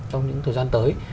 trong những thời gian tới